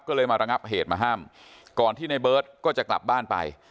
ก็เลยมาระงับเหตุมาห้ามก่อนที่ในเบิร์ตก็จะกลับบ้านไป